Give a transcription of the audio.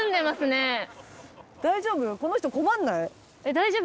大丈夫？